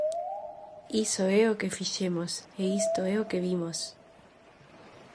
Iso é o que fixemos, e isto é o que vimos.